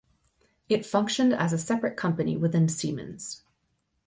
It functioned as a separate company within Siemens.